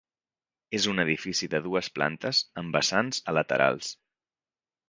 És un edifici de dues plantes amb vessants a laterals.